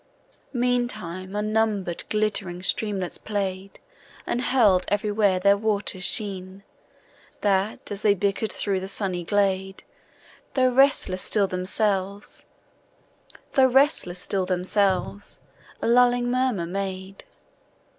Meantime unnumbered glittering streamlets play'd, And hurled everywhere their water's sheen, That, as they bicker'd through the sunny glade, Though restless still themselves, a lulling murmur made.